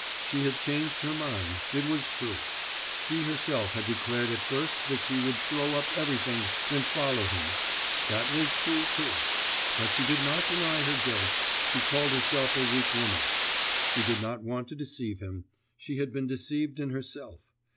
She had changed her mind, it was true; she herself had declared at first that she would throw up everything and follow him; that was true too; but she did not deny her guilt, she called herself a weak woman; she did not want to deceive him, she had been deceived in herself....